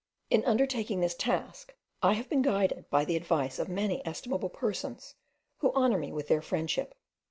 In undertaking this task, I have been guided by the advice of many estimable persons, who honour me with their friendship.